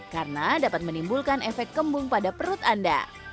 karena dapat menimbulkan efek kembung pada perut anda